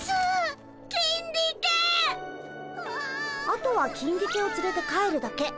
あとはキンディケをつれて帰るだけ。